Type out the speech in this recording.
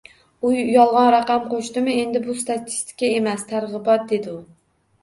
U yolg'on raqam qo'shdimi - endi bu statistika emas, targ'ibot, dedi u